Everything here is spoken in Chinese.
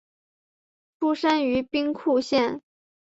出身于兵库县。